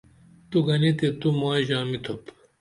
تو گنے تے تومائی ژامی تُھوپ